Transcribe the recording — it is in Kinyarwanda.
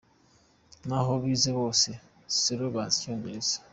Naho abize bose silo bazi icyongereza.